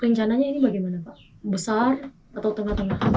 rencananya ini bagaimana pak besar atau tengah tengah